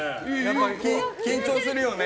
緊張するよね。